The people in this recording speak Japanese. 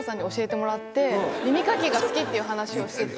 耳かきが好きっていう話をしてて。